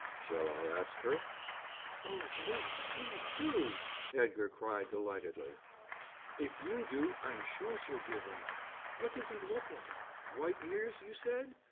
"Shall I ask her?" "Oh, yes, please do," Edgar cried delightedly. "If you do I'm sure she'll give in. What does he look like? White ears, you said?